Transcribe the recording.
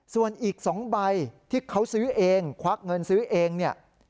ส่วนอีก๒ใบที่เขาซื้อเองควักเงินซื้อเองเนี่ย